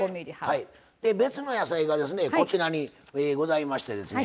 別の野菜がこちらにございましてですね。